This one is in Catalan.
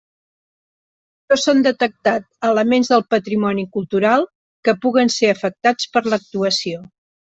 No s'han detectat elements del patrimoni cultural que puguen ser afectats per l'actuació.